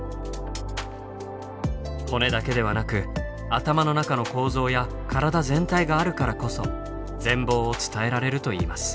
骨だけではなく頭の中の構造や体全体があるからこそ全貌を伝えられるといいます。